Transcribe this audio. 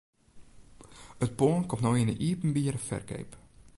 It pân komt no yn 'e iepenbiere ferkeap.